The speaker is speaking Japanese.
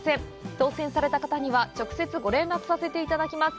当せんされた方には直接ご連絡させていただきます。